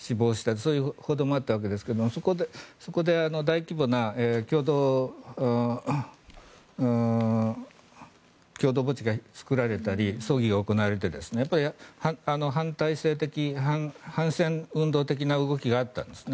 そういう報道もあったわけですがそこで大規模な共同墓地が作られたり葬儀が行われて反戦運動的な動きがあったんですね。